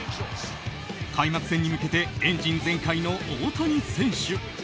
開幕戦に向けてエンジン全開の大谷選手。